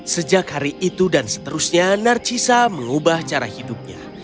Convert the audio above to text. sejak hari itu dan seterusnya narcisa mengubah cara hidupnya